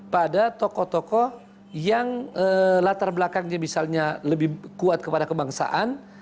pada tokoh tokoh yang latar belakangnya misalnya lebih kuat kepada kebangsaan